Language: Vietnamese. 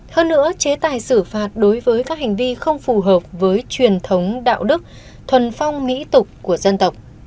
hơn nữa chế tài xử phạt đối với các hành vi không phù hợp với truyền thống đạo đức thuần phong mỹ tục của dân tộc